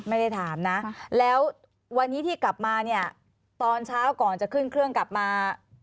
ไม่ได้ถามนะแล้ววันนี้ที่กลับมาเนี่ยตอนเช้าก่อนจะขึ้นเครื่องกลับมา